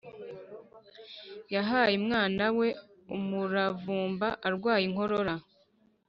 Yahaye umwana we umuravumba arwaye inkorora